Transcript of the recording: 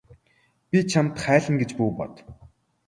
Би чамд хайлна гэж бүү бод.